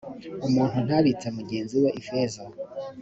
umuntu ntabitse mugenzi we ifeza.